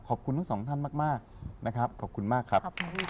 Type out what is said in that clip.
ขอบคุณทั้งสองท่านมากนะครับขอบคุณมากครับ